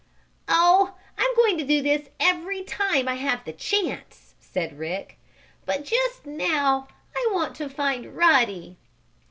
"Oh, I'm going to do this every time I have the chance," said Rick. "But just now I want to find Ruddy."